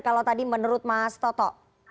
kalau tadi menurut mas toto